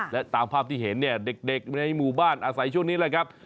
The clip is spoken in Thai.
และตามภาพที่เห็นเนี่ยเด็กในหมู่บ้านอาศัยช่วงนี้แหละครับ